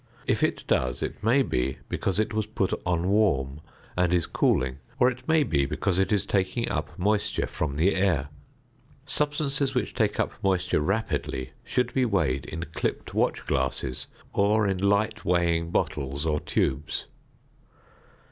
If it does it may be because it was put on warm, and is cooling, or it may be because it is taking up moisture from the air. Substances which take up moisture rapidly should be weighed in clipped watch glasses or in light weighing bottles or tubes.